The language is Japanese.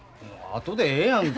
後でええやんか。